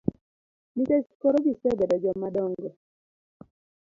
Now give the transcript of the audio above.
Nikech koro gisebedo joma dongo.